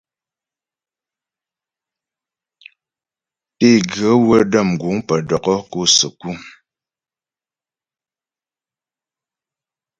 Teguə wə́ dəm guŋ pə́ dɔkɔ́ kɔ səku.